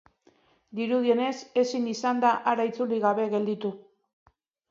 Dirudienez, ezin izan da hara itzuli gabe gelditu.